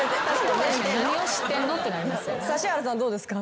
指原さんどうですか？